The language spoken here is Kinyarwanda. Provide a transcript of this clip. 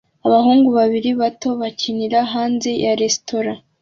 Abahungu babiri bato bakinira hanze ya resitora